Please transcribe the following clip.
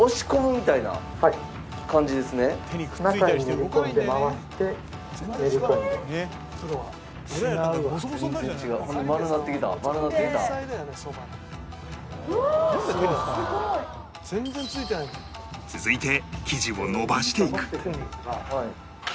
続いて生地を延ばしていく